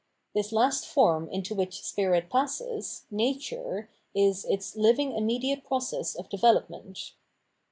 * This last form into which Spirit passes. Nature, is its living immediate process of development.